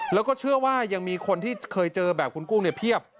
แล้วก็เชื่อว่ายังมีคนที่เคยเจอแบบคุณกุ้งเนี่ยเพียบ